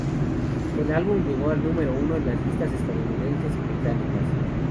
El álbum llegó al número uno en las listas estadounidenses y británicas.